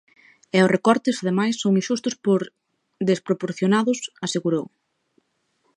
E os recortes, ademais, son inxustos por desproporcionados, asegurou.